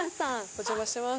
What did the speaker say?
お邪魔してます。